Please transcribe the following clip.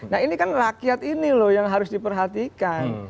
nah ini kan rakyat ini loh yang harus diperhatikan